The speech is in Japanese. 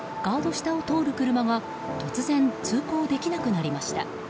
下を通る車が突然、通行できなくなりました。